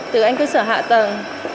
từ anh cơ sở hạ tầng